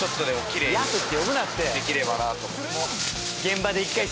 できればなと思って。